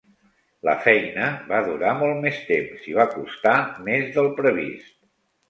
La feina va durar molt més temps i va costar més del previst.